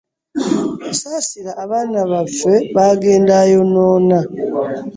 Saasira abaana baffe b'agenda ayonoona.